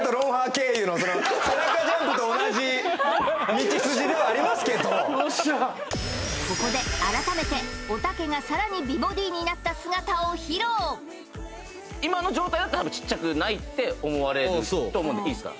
道筋ではありますけどここで改めておたけがさらに美ボディになった姿を披露今の状態だったらちっちゃくないって思われると思うんでいいですか？